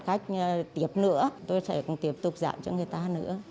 giảm khách tiếp nữa tôi sẽ tiếp tục giảm cho người ta nữa